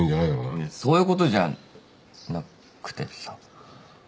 いやそういうことじゃなくてさ。